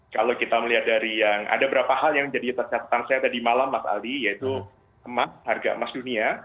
kalau kita melihat dari yang ada berapa hal yang jadi catatan saya tadi malam mas ali yaitu emas harga emas dunia